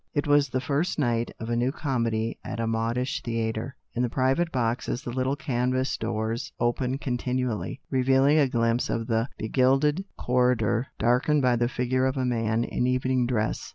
It was the first night of a new comedy at a modish theatre. In the private boxes the little canvas doors opened continually, reveal ing a glimpse of the begilded corridor dark ened by the figure of a man in evening dress.